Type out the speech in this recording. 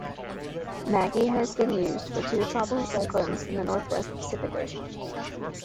Maggie has been used for two tropical cyclones in the northwest Pacific Ocean.